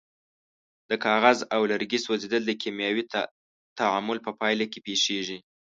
د کاغذ او لرګي سوځیدل د کیمیاوي تعامل په پایله کې پیښیږي.